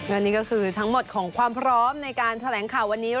และนี่ก็คือทั้งหมดของความพร้อมในการแถลงข่าววันนี้